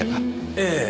ええ。